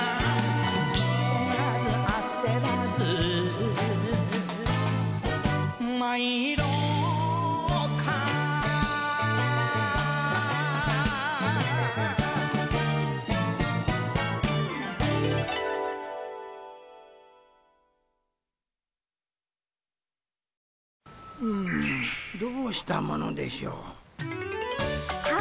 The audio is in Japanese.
うんどうしたものでしょう。